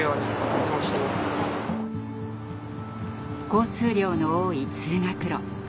交通量の多い通学路。